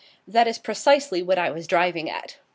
That is precisely what I was driving at.